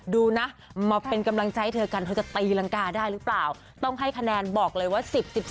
ดูนะมาเป็นกำลังใจให้เธอกันเธอจะตีรังกาได้หรือเปล่าต้องให้คะแนนบอกเลยว่า๑๐๑๒